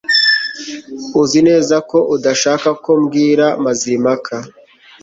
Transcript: Uzi neza ko udashaka ko mbwira Mazimpaka